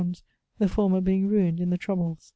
_, the former being ruined in the troubles.